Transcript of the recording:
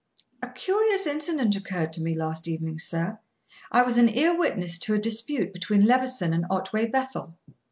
"A curious incident occurred to me last evening, sir. I was an ear witness to a dispute between Levison and Otway Bethel."